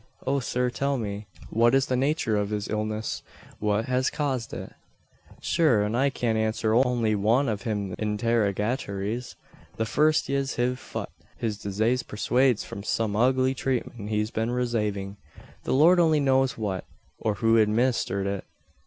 O, sir, tell me, what is the nature of his illness what has caused it?" "Shure an I cyant answer only wan av thim interrogataries the first yez hiv phut. His disaze pursades from some ugly tratement he's been resavin the Lord only knows what, or who administhered it.